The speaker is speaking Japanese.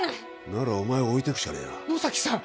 ならお前を置いてくしかねえな野崎さん！